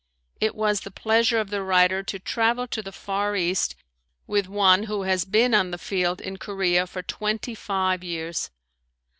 It was the pleasure of the writer to travel to the far east with one who has been on the field in Korea for twenty five years.